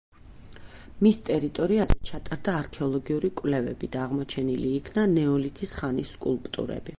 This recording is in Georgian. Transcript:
მის ტერიტორიაზე ჩატარდა არქეოლოგიური კვლევები და აღმოჩენილი იქნა ნეოლითის ხანის სკულპტურები.